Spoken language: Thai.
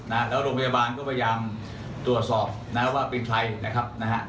แล้วโรงพยาบาลก็พยายามตรวจสอบนะว่าเป็นใครนะครับนะฮะ